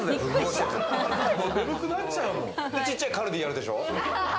ちっちゃいカルディあるでしょ。